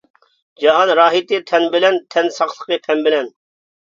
جان راھىتى تەن بىلەن، تەن ساقلىقى پەم بىلەن.